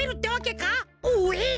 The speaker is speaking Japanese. おえっ。